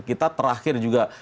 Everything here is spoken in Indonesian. kita terakhir juga